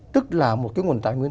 tức là một cái nguồn tài nguyên